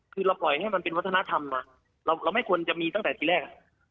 คือเราปล่อยให้มันเป็นวัฒนธรรมนะเราไม่ควรจะมีตั้งแต่ทีแรก